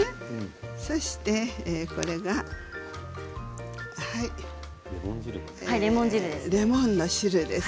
そして、これがレモンの汁です。